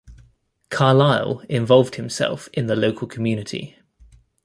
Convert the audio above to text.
Carlisle involved himself in the local community.